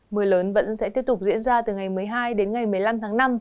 mưa lớn vẫn sẽ tiếp tục diễn ra từ ngày một mươi hai đến ngày một mươi năm tháng năm